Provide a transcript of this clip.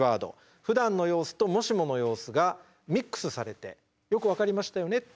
ふだんの様子ともしもの様子がミックスされてよく分かりましたよねっていう。